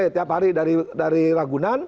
tiap hari dari ragunan